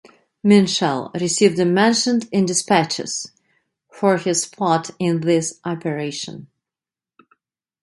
Minshall received a "Mentioned in Despatches" for his part in this operation.